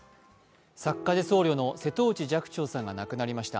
作家で僧侶の瀬戸内寂聴さんが亡くなりました。